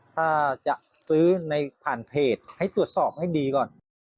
ถ้าจะซื้อในผ่านเพจให้ตรวจสอบให้ดีก่อน